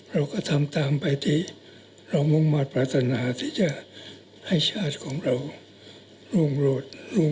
เราก็ทำตามไปที่เรามุ่งมาปรารถนาที่จะให้ชาติของเรารุ่งโรด